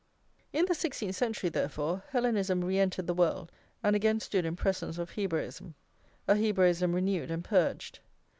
In the sixteenth century, therefore, Hellenism re entered the world, and again stood in presence of Hebraism, a Hebraism renewed and purged.